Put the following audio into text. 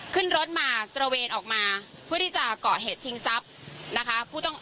ขึ้นรถตระเวนออกมาเพื่อที่จะกะเหตุสิ่งที่สัพ